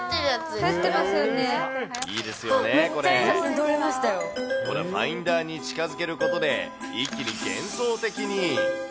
これ、ファインダーに近づけることで、一気に幻想的に。